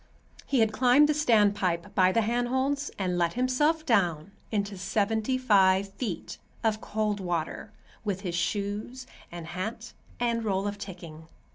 He had climbed the standpipe by the handholds and let himself down into seventy five feet of cold water, with his shoes and hat and roll of ticking.